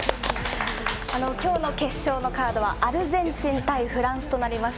今日の決勝のカードはアルゼンチン対フランスです。